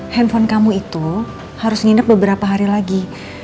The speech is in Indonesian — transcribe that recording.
handphone kamu itu harus nginep beberapa hari lagi